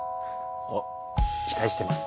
おっ期待してます。